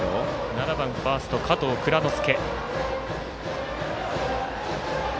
７番、ファースト加藤蔵乃介。